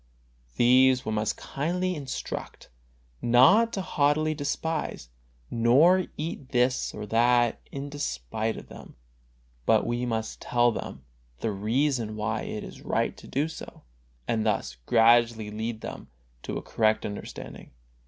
These we must kindly instruct, and not haughtily despise, nor eat this or that in despite of them, but we must tell them the reason why it is right to do so, and thus gradually lead them to a correct understanding.